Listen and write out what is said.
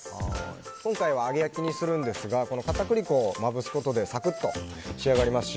今回は揚げ焼きにするんですが片栗粉をまぶすことでサクッと仕上がりますし